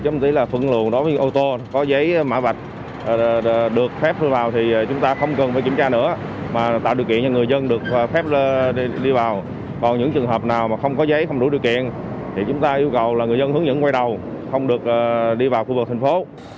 mà tạo điều kiện cho người dân được phép đi vào còn những trường hợp nào mà không có giấy không đủ điều kiện thì chúng ta yêu cầu là người dân hướng dẫn quay đầu không được đi vào khu vực thành phố